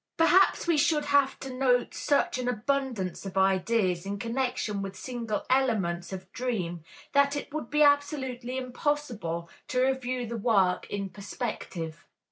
Perhaps we should have to note such an abundance of ideas in connection with single elements of dream that it would be absolutely impossible to review the work in perspective.